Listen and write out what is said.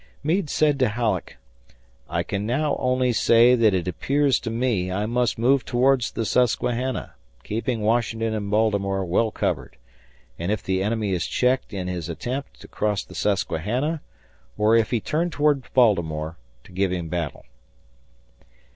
Meade said to Halleck, "I can now only say that it appears to me I must move towards the Susquehanna, keeping Washington and Baltimore well covered, and, if the enemy is checked in his attempt, to cross the Susquehanna, or, if he turn towards Baltimore, to give him battle."